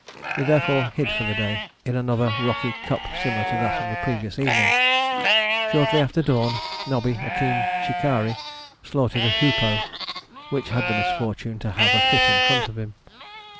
We therefore hid for the day in another rocky cup similar to that of the previous evening. Shortly after dawn, Nobby, a keen shikari, slaughtered a hoopoe, which had the misfortune to have a fit in front of him.